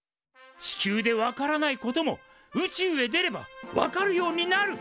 地球で分からないことも宇宙へ出れば分かるようになる。